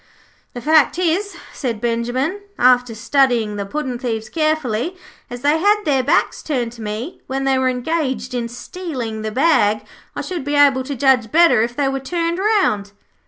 'The fact is,' said Benjimen, after studying the puddin' thieves carefully, 'as they had their backs turned to me when they were engaged in stealing the bag, I should be able to judge better if they were turned round.'